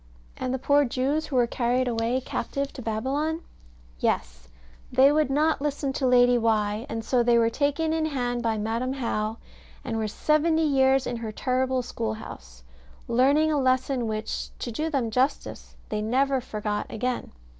And the poor Jews, who were carried away captive to Babylon? Yes; they would not listen to Lady Why, and so they were taken in hand by Madam How, and were seventy years in her terrible school house, learning a lesson which, to do them justice, they never forgot again.